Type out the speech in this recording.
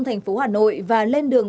thành phố hà nội và lên đường